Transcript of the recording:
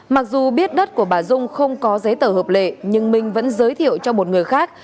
mặc dù biết đất của bà dung không có giấy tờ hợp lệ nhưng minh vẫn giới thiệu cho một người khác